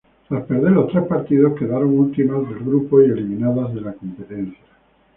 Tras perder los tres partidos quedaron últimas del grupo y eliminadas de la competencia.